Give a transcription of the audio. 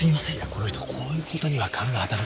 この人こういう事には勘が当たる。